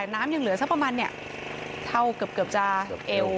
น้ำยังเหลือสักประมาณเท่าเกือบจะเอว